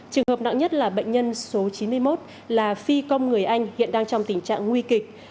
trường hợp nặng nhất là bệnh nhân số chín mươi một là phi công người anh hiện đang trong tình trạng nguy kịch